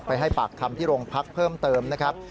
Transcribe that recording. ให้ปากคำที่โรงพักเพิ่มเติมนะครับ